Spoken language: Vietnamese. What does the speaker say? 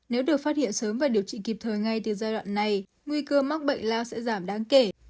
nếu được phát hiện sớm và điều trị kịp thời ngay từ giai đoạn này nguy cơ mắc bệnh lao sẽ giảm đáng kể